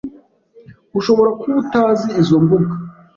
Ushobora kuba utazi izo mbuga